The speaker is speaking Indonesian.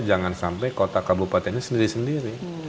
jangan sampai kota kabupatennya sendiri sendiri